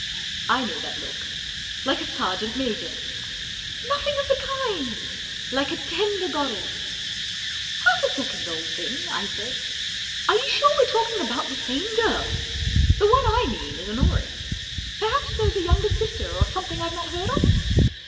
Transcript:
44 I know that look. Like a sergeant major." 44 Nothing of the kind I Like a tender goddess." 44 Half a second, old thing," I said. [ 4 Are you sure we're talking about the same girl ? The one I mean is Honoria. Perhaps there's a younger sister or something I've not heard of